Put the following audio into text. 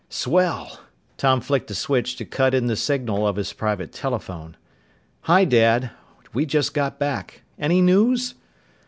"Swell!" Tom flicked a switch to cut in the signal of his private telephone. "Hi, Dad! We just got back. Any news?"